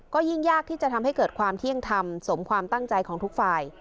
ก็ยิ่งยากที่จะทำให้เกิดความเที่ยงธรรมสมความตั้งใจของทุกฝ่าย